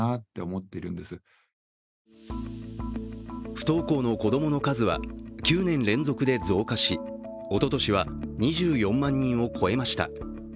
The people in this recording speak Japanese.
不登校の子供の数は９年連続で増加しおととしは２４万人を超えました。